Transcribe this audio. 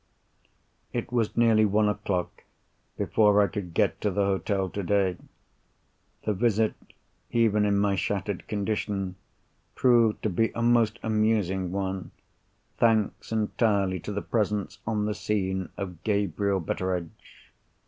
It was nearly one o'clock before I could get to the hotel today. The visit, even in my shattered condition, proved to be a most amusing one—thanks entirely to the presence on the scene of Gabriel Betteredge.